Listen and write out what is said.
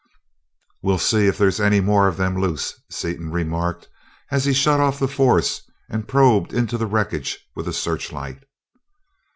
"We'll see if there's any more of them loose," Seaton remarked, as he shut off the force and probed into the wreckage with a searchlight.